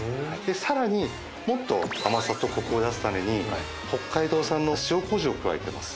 さらにもっと甘さとコクを出すために北海道産の塩こうじを加えています。